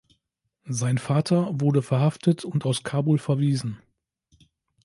Sein Vater wurde verhaftet und aus Kabul verwiesen.